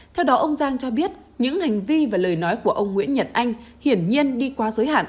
theo đó ông giang cho biết những hành vi và lời nói của ông nguyễn nhật anh hiển nhiên đi qua giới hạn